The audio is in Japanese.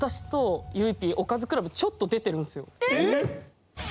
えっ？